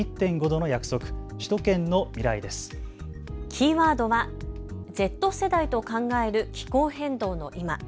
キーワードは、Ｚ世代と考える気候変動のいま。